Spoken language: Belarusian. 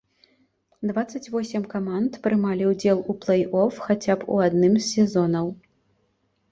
Дваццаць восем каманд прымалі ўдзел у плэй-оф хаця б у адным з сезонаў.